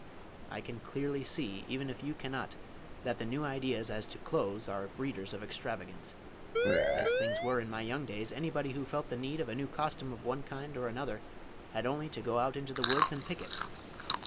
I can clearly see even if you cannot, that the new ideas as to clothes are breeders of extravagance. As things were in my young days anybody who felt the need of a new costume of one kind or another had only to go out into the woods and pick it.